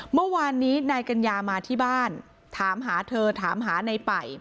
เมื่อวานนี้นายกัญญามาที่บ้านถามหาเธอถามหาในป่าย